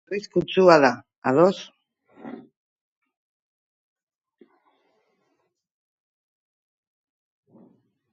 Arriskutsua da, ados.